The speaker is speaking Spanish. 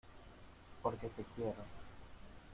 porque te quiero.